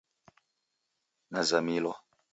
Nazamilwa